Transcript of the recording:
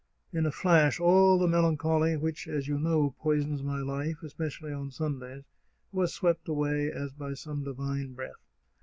In a flash all the melancholy which, as you know, poisons my life, especially on Sundays, was swept away as by some divine breath.